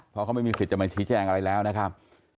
เพราะเขาไม่มีสิทธิ์จะมาชี้แจงอะไรแล้วนะครับ